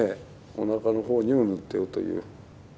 おなかのほうに塗ってるという。